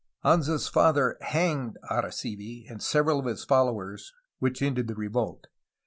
Anza's father hanged Arisivi and several of his followers, which ended the revolt.